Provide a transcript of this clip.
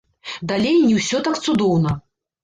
Далей не ўсё так цудоўна.